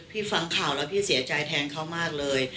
ฟังข่าวแล้วพี่เสียใจแทนเขามากเลย